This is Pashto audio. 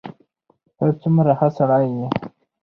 ته څومره ښه سړی یې.